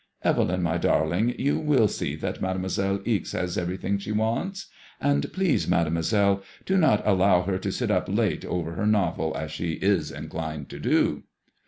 Evelyn, my darling, you will see that Mademoiselle Ixe has everything she wants; and please, Mademoiselle, do not allow her to sit up late over her novel as she is inclined to do."